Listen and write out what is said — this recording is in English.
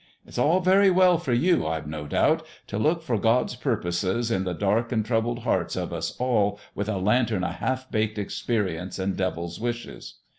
It's all very well for you, I've no doubt, t' look for God's purposes in the dark an' troubled hearts of us all with a lantern o' half baked ex perience an' devil's wishes.